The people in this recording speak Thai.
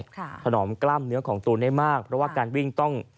ถนอมกล้ามเนื้อของตูนได้มากเพราะว่าการวิ่งต้อง